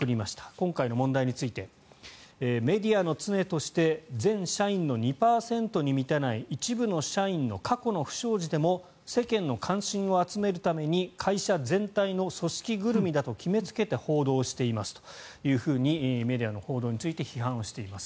今回の問題についてメディアの常として全社員の２％に満たない一部の社員の過去の不祥事でも世間の関心を集めるために会社全体の組織ぐるみだと決めつけて報道していますというふうにメディアの報道について批判をしています。